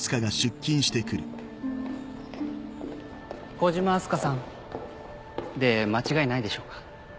・小島明日香さん・で間違いないでしょうか。